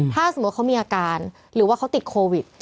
ถ้าสมมุติเขามีอาการหรือว่าเขาติดโควิด